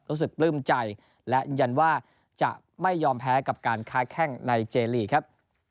ปลื้มใจและยันว่าจะไม่ยอมแพ้กับการค้าแข้งในเจลีกครับ